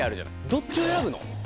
どっちを選ぶの？